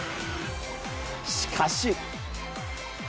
しかし。